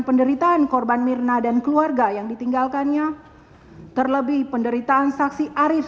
penderitaan korban mirna dan keluarga yang ditinggalkannya terlebih penderitaan saksi arief